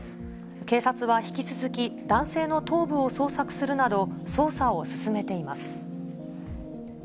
警察は引き続き、男性の頭部を捜索するなど、捜査を進めています。